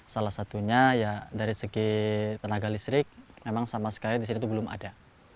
salah satunya ya dari segi tenaga listrik memang sama sekali di situ belum ada